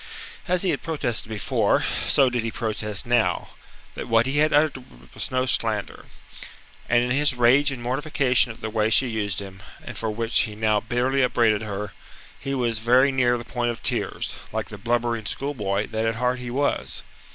As he had protested before, so did he protest now, that what he had uttered was no slander. And in his rage and mortification at the way she used him, and for which he now bitterly upbraided her, he was very near the point of tears, like the blubbering schoolboy that at heart he was.